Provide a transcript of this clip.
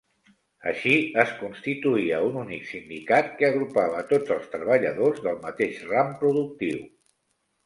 Així es constituïa un únic sindicat que agrupava tots els treballadors del mateix ram productiu.